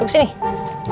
tunggu om baik